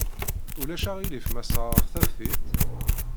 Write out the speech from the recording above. Ulac aɣilif ma ssaɣeɣ taftilt?